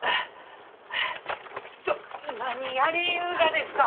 ちょ何やりゆうがですか！？